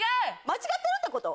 間違ってるってこと？